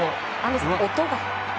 音が！